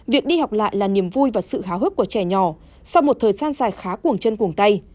việc đi học lại là niềm vui và sự háo hức của trẻ nhỏ sau một thời gian dài khá cuồng chân cùng tay